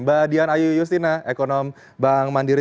mbak dian ayu yustina ekonom bank mandiri